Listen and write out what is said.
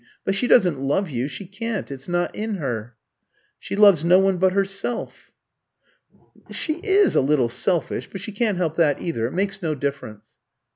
but she doesn't love you she can't, it's not in her. She loves no one but herself." "She is a little selfish, but she can't help that either. It makes no difference."